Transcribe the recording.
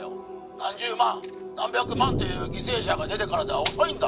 何十万何百万という犠牲者が出てからでは遅いんだ